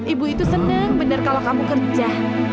ibu itu seneng bener kalau kamu kerja